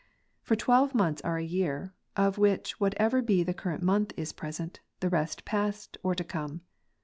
For twelve months are a year ; of which whatever be the current month is present ; the rest past, or to come.